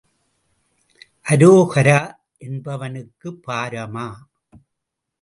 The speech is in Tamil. அரோகரா என்பவனுக்குப் பாரமா?